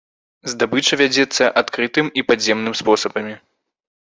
Здабыча вядзецца адкрытым і падземным спосабамі.